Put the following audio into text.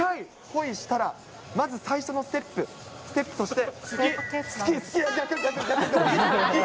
恋したら、まず最初のステップ、ステップとして。